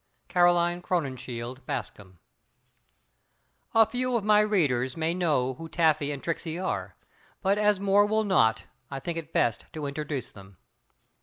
CAROLINE CROWNINSHIELD BASCOM. A few of my readers may know who Taffy and Tricksey are, but as more will not I think it best to introduce them.